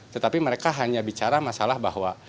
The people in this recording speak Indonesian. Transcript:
tetapi mereka hanya bicara masalah bahwa